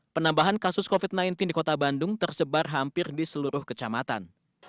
penambahan kasus covid sembilan belas di kota bandung tersebar hampir di seluruh kecamatan